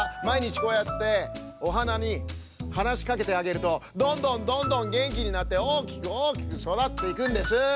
まいにちこうやっておはなにはなしかけてあげるとどんどんどんどんげんきになっておおきくおおきくそだっていくんです。